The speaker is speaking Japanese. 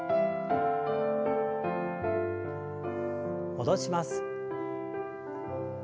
戻します。